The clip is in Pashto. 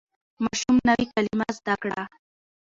ماشوم نوې کلمه زده کړه